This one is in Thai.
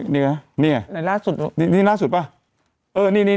นี่แหร่คนสุดเนี่ย